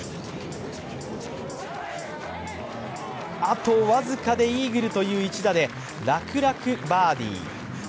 あと僅かでイーグルという一打で楽々バーディー。